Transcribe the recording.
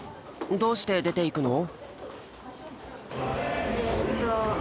どうして出ていくの？